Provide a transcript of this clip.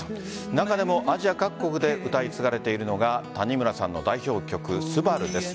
中でも、アジア各国で歌い継がれているのが谷村さんの代表曲「昴」です。